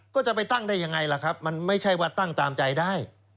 ก็จะไปตั้งได้ยังไงล่ะครับมันไม่ใช่ว่าตั้งตามใจได้